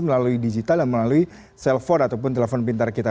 melalui digital dan melalui telepon ataupun telepon pintar kita